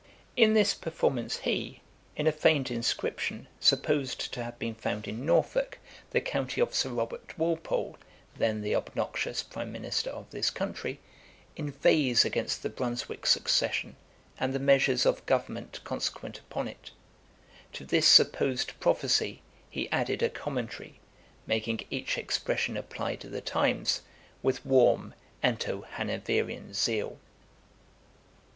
'[*] In this performance, he, in a feigned inscription, supposed to have been found in Norfolk, the county of Sir Robert Walpole, then the obnoxious prime minister of this country, inveighs against the Brunswick succession, and the measures of government consequent upon it. To this supposed prophecy he added a Commentary, making each expression apply to the times, with warm Anti Hanoverian zeal.